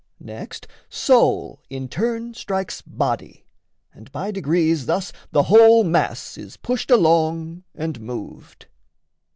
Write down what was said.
Next, soul in turn strikes body, and by degrees Thus the whole mass is pushed along and moved.